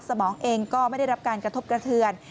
สมองเองก็ไม่ได้รับการกระทบกระเทือน